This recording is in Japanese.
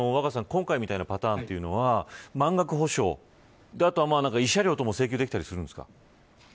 今回のようなパターンというのは満額補償あとは慰謝料とかも請求できたりするんですか。